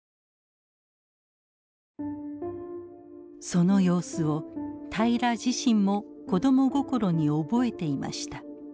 その様子を平良自身も子ども心に覚えていました。